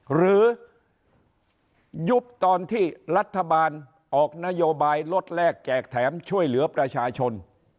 ยุบตอนที่รัฐบาลออกนโยบายลดแรกแจกแถมช่วยเหลือประชาชน